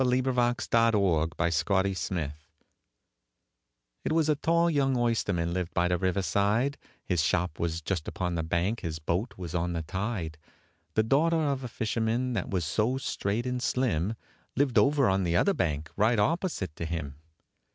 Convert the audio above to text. THE BALLAD OF THE OYSTERMAN IT was a tall young oysterman lived by the river side, His shop was just upon the bank, his boat was on the tide; The daughter of a fisherman, that was so straight and slim, Lived over on the other bank, right opposite to him.